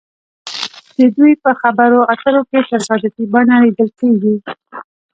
د دوی په خبرو اترو کې تصادفي بڼه لیدل کیږي